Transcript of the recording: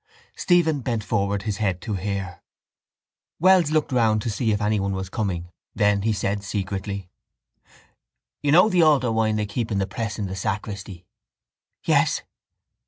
Stephen bent forward his head to hear. Wells looked round to see if anyone was coming. Then he said secretly: —You know the altar wine they keep in the press in the sacristy? —Yes.